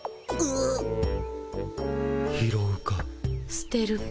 すてるか。